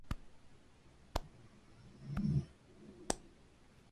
Concretos en su habla y utilitarios en la acción, ellos son operadores hábiles.